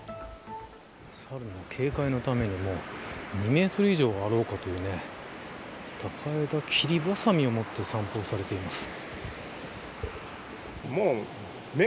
サルの警戒のために２メートル以上あろうかという高枝切りばさみを持って散歩されています。